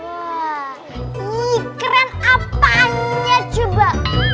iya keren apaannya coba